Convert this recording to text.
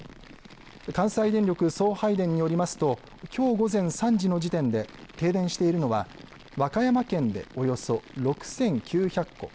関西電力送配電によりますときょう午前３時の時点で停電しているのは和歌山県でおよそ６９００戸